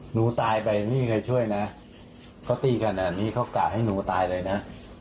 หนูตายไปนี่ใครช่วยนะเขาตีขนาดนี้เขากะให้หนูตายเลยนะ